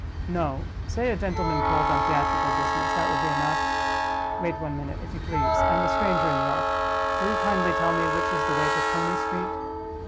"No; say a gentleman called on theatrical business—that will be enough. Wait one minute, if you please. I am a stranger in York; will you kindly tell me which is the way to Coney Street?"